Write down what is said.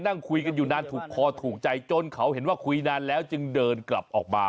นั่งคุยกันอยู่นานถูกคอถูกใจจนเขาเห็นว่าคุยนานแล้วจึงเดินกลับออกมา